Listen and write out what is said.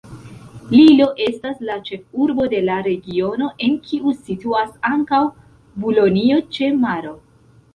Lillo estas la ĉefurbo de la regiono, en kiu situas ankaŭ Bulonjo-ĉe-Maro.